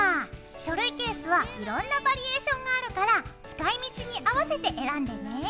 書類ケースはいろんなバリエーションがあるから使い道に合わせて選んでね！